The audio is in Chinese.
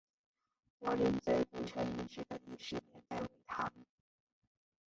柏林嘴古城遗址的历史年代为唐。